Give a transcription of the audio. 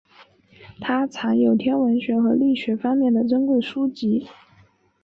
他藏有天文学和力学方面的珍贵书籍。